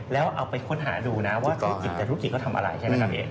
แล้วเอาไปค้นหาดูนะว่าธุรกิจแต่ธุรกิจเขาทำอะไรใช่ไหมครับพี่เอก